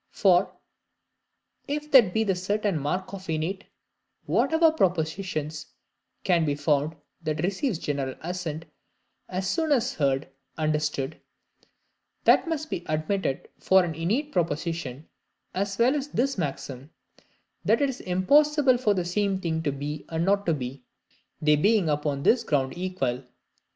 For, if that be the certain mark of innate, whatever propositions can be found that receives general assent as soon as heard understood, that must be admitted for an innate proposition as well as this maxim, "That it is impossible for the same thing to be and not to be," they being upon this ground equal.